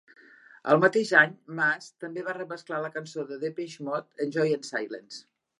El mateix any, Maas també va remesclar la cançó de Depeche Mode "Enjoy the Silence".